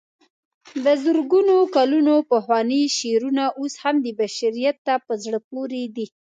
د زرګونو کلونو پخواني شعرونه اوس هم بشریت ته په زړه پورې دي.